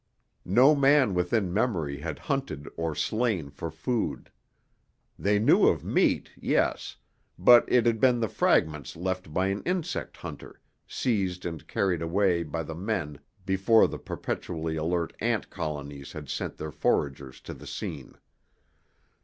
No man within memory had hunted or slain for food. They knew of meat, yes, but it had been the fragments left by an insect hunter, seized and carried away by the men before the perpetually alert ant colonies had sent their foragers to the scene.